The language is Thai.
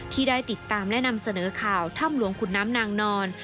ที่ได้ติดตามและนำเสนอข่าวถ้ำหลวงขุนน้ำนางนอน